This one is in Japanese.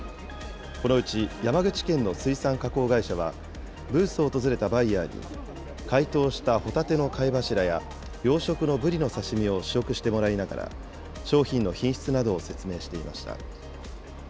このうち、山口県の水産加工会社は、ブースを訪れたバイヤーに、解凍したホタテの貝柱や養殖のぶりの刺身を試食してもらいながら、商品の品質などを説明していました。